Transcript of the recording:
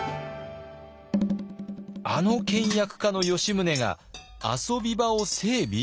あの倹約家の吉宗が遊び場を整備？